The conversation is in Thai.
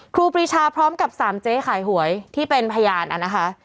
ครูปรีชาพร้อมกับสามเจ๊ขายหวยที่เป็นพยานนะคะ